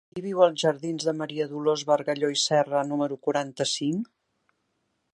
Qui viu als jardins de Maria Dolors Bargalló i Serra número quaranta-cinc?